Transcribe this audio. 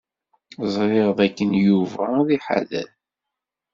Ẓriɣ dakken Yuba ad iḥader.